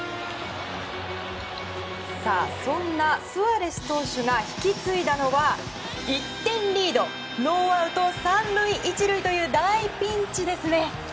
そんなスアレス投手が引き継いだのは１点リードノーアウト３塁１塁という大ピンチですね。